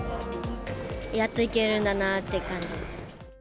やっと行けるんだなって感じ。